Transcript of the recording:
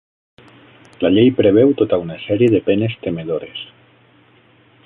La llei preveu tota una sèrie de penes temedores.